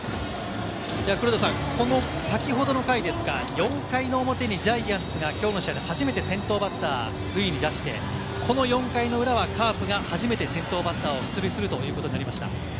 黒田さん、先ほどの回ですが、４回の表にジャイアンツがきょうの試合で初めて先頭バッターを塁に出して、この４回の裏はカープが初めて先頭バッターを出塁するということになりました。